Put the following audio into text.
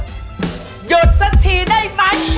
หยุดสักทีได้ไหม